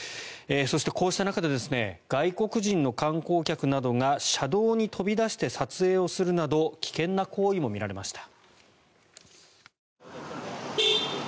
そしてこうした中で外国人の観光客などが車道に飛び出して撮影をするなど危険な行為も見られました。